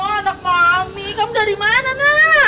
adam anak mami kamu dari mana